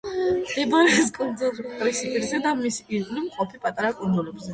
მდებარეობს კუნძულ პრინსიპიზე და მის ირგვლივ მყოფ პატარა კუნძულებზე.